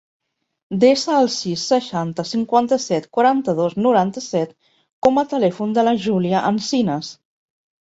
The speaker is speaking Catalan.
Desa el sis, seixanta, cinquanta-set, quaranta-dos, noranta-set com a telèfon de la Júlia Encinas.